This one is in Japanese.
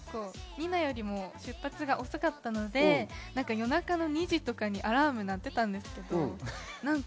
私がＮＩＮＡよりも出発が遅かったので夜中の２時にアラーム鳴ってたんですけど。